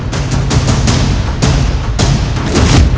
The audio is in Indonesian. dan penjaga kniama xmas